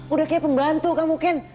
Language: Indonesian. udah kayak pembantu kamu kan